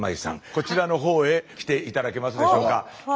こちらのほうへ来て頂けますでしょうか。